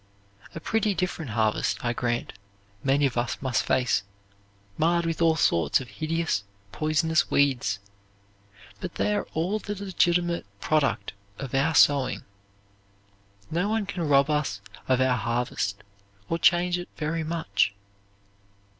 A pretty different harvest, I grant, many of us must face, marred with all sorts of hideous, poisonous weeds, but they are all the legitimate product of our sowing. No one can rob us of our harvest or change it very much.